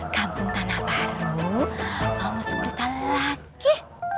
kampung tanah baru mau masuk berita lagi